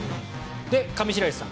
上白石さん